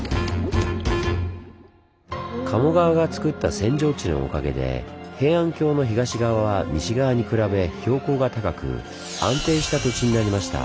鴨川がつくった扇状地のおかげで平安京の東側は西側に比べ標高が高く安定した土地になりました。